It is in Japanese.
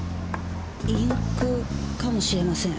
インクかもしれません。